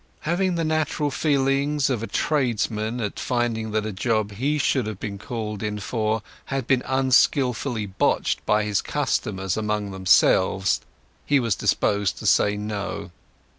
Having the natural feelings of a tradesman at finding that a job he should have been called in for had been unskilfully botched by his customers among themselves, he was disposed to say no.